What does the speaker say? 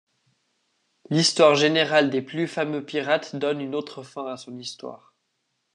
L'histoire générale des plus fameux pirates donne une autre fin à son histoire.